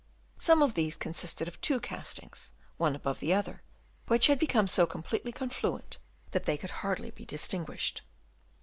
Some of these consisted of two castings, one above the other, which had become so completely confluent that they could hardly be distinguished.